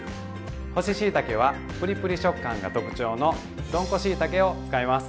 干ししいたけはプリプリ食感が特徴のどんこしいたけを使います。